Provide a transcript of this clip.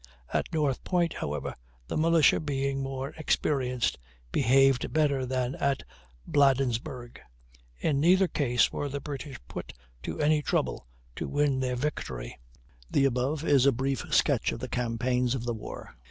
At North Point, however, the militia, being more experienced, behaved better than at Bladensburg. In neither case were the British put to any trouble to win their victory. The above is a brief sketch of the campaigns of the war.